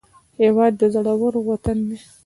هېواد د زړورو وطن دی